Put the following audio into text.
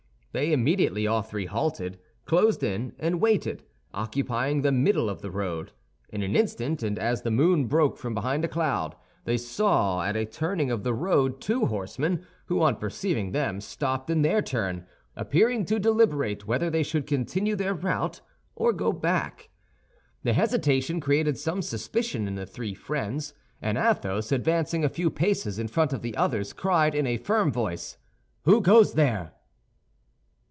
They immediately all three halted, closed in, and waited, occupying the middle of the road. In an instant, and as the moon broke from behind a cloud, they saw at a turning of the road two horsemen who, on perceiving them, stopped in their turn, appearing to deliberate whether they should continue their route or go back. The hesitation created some suspicion in the three friends, and Athos, advancing a few paces in front of the others, cried in a firm voice, "Who goes there?"